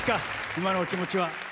今のお気持ちは。